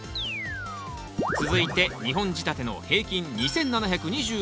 続いて２本仕立ての平均２，７２１ｇ。